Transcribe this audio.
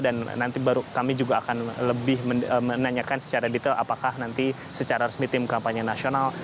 dan nanti kami juga akan lebih menanyakan secara detail apakah nanti secara resmi tim kampanye nasional